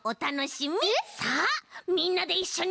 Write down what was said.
さあみんなでいっしょに。